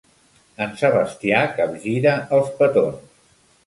En Sebastià capgira els petons.